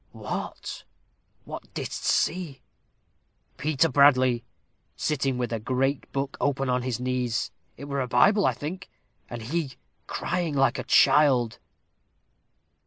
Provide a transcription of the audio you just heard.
"What what didst see?" "Peter Bradley sitting with a great book open on his knees; it were a Bible, I think, and he crying like a child."